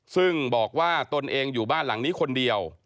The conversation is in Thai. ซึ่งบอกว่าตนเองอยู่บ้านหลังนี้คนเดียว